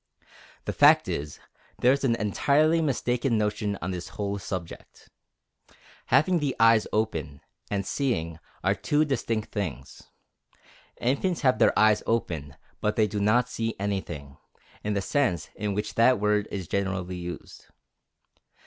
The fact is, there is an entirely mistaken notion on this whole subject. Having the eyes open, and seeing, are two distinct things. Infants have their eyes open, but they do not see anything, in the sense in which that word is generally used.